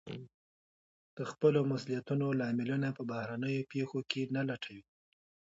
د خپلو مسوليتونو لاملونه په بهرنيو پېښو کې نه لټوي.